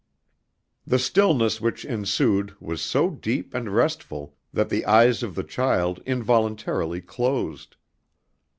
The stillness which ensued was so deep and restful that the eyes of the child involuntarily closed.